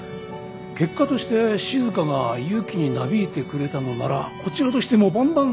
結果としてしずかが祐樹になびいてくれたのならこちらとしても万々歳。